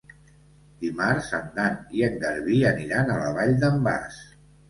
Dimarts en Dan i en Garbí aniran a la Vall d'en Bas.